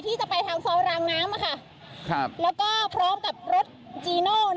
ที่จะไปทางซอยรางน้ำแล้วก็พร้อมกับรถจีโน่